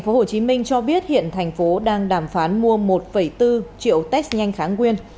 tp hcm cho biết hiện tp hcm đang đàm phán mua một bốn triệu test nhanh kháng nguyên